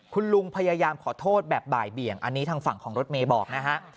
คุณลุงพยายามขอโทษแบบบ่ายเบี่ยงอันนี้ทางฝั่งของรถเมย์บอกนะฮะ